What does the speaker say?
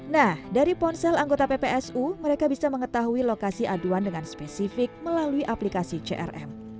nah dari ponsel anggota ppsu mereka bisa mengetahui lokasi aduan dengan spesifik melalui aplikasi crm